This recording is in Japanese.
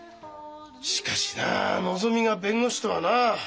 しかしなのぞみが弁護士とはな。